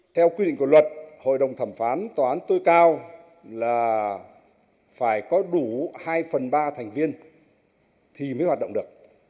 theo quy định của luật hội đồng thẩm phán tòa án tối cao là phải có đủ hai phần ba thành viên thì mới hoạt động được